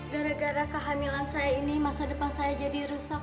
gara gara kehamilan saya ini masa depan saya jadi rusak